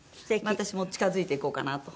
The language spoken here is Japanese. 私も近付いていこうかなと。